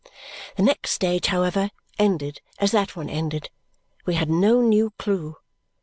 The next stage, however, ended as that one ended; we had no new clue.